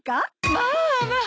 まあまあ。